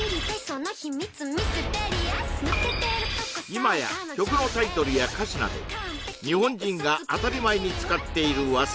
今や曲のタイトルや歌詞など日本人が当たり前に使っている和製